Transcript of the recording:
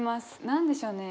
何でしょうね